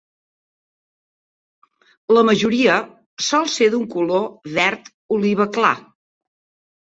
La majoria sol ser d'un color verd oliva clar.